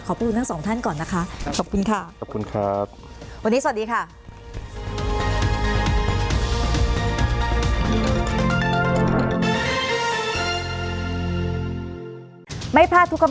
ขอบคุณทั้งสองท่านก่อนนะคะขอบคุณค่ะ